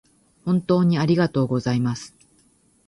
本当にありがとうございます